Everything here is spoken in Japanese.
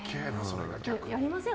やりません？